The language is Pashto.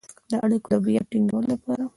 د اړیکو د بيا ټينګولو لپاره